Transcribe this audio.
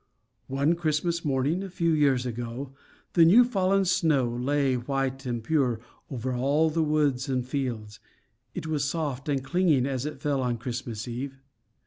One Christmas morning, a few years ago, the new fallen snow lay white and pure over all the woods and fields. It was soft and clinging as it fell on Christmas eve.